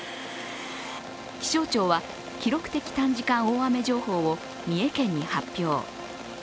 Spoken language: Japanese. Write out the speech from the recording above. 気象庁は、記録的短時間大雨情報を三重県に発表。